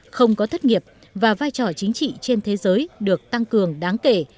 không có thất nghiệp và vai trò chính trị trên thế giới được tăng cường đáng kể